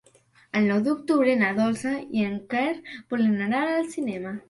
El nou d'octubre na Dolça i en Quer volen anar al cinema.